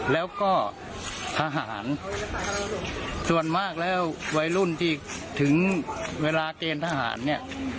แล้วก็ทหารส่วนมากแล้ววัยรุ่นที่ถึงเวลาเกณฑ์ทหารเนี่ย